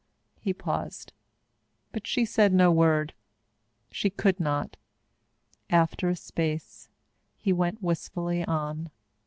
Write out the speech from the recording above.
He paused, but she said no word. She could not. After a space, he went wistfully on.